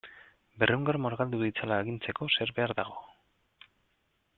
Berrehun gramo argaldu ditzala agintzeko zer behar dago?